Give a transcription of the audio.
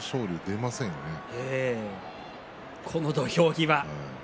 この土俵際です。